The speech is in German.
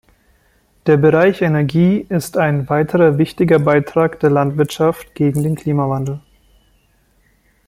Der Bereich Energie ist ein weiterer wichtiger Beitrag der Landwirtschaft gegen den Klimawandel.